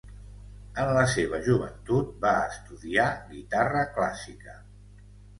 En la seva joventut va estudiar guitarra clàssica.